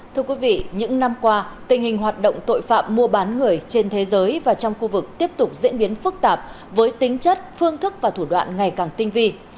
thưa quý vị những năm qua tình hình hoạt động tội phạm mua bán người trên thế giới và trong khu vực tiếp tục diễn biến phức tạp với tính chất phương thức và thủ đoạn ngày càng tinh vi